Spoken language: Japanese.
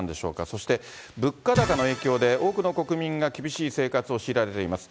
そして、物価高の影響で多くの国民が厳しい生活を強いられています。